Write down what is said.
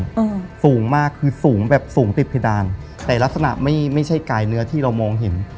อืมสูงมากคือสูงแบบสูงติดเพดานแต่ลักษณะไม่ไม่ใช่กายเนื้อที่เรามองเห็น